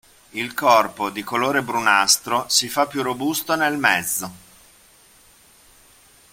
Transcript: Il corpo, di colore brunastro, si fa più robusto nel mezzo.